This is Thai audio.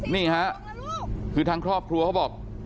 นี่ฮะคือทางครอบครัวเขาบอก